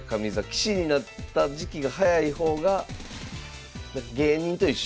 棋士になった時期が早い方がだから芸人と一緒。